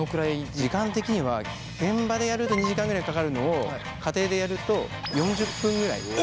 時間的には現場でやると２時間ぐらいかかるのを家庭でやると４０分ぐらい３分の１ぐらいでできる。